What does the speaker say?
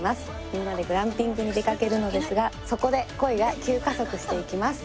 みんなでグランピングに出かけるのですがそこで恋が急加速していきます。